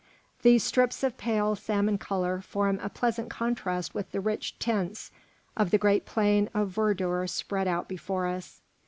These strips of pale salmon colour form a pleasant contrast with the rich tints of the great plain of verdure spread out before us.